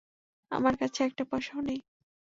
আমার কাছে একটা পয়সাও নেই।